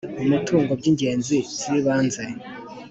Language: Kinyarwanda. umutungo by inzego z ibanze